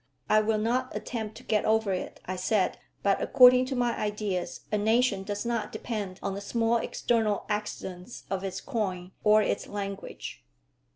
"I will not attempt to get over it," I said; "but according to my ideas, a nation does not depend on the small external accidents of its coin or its language."